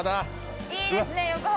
いいですね横浜。